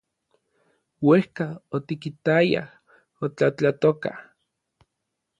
Uejka otikitayaj otlatlatoka.